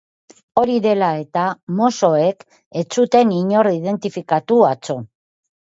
Hori dela eta, mossoek ez zuten inor identifikatu atzo.